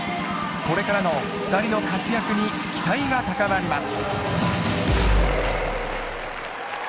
これからの２人の活躍に期待が高まります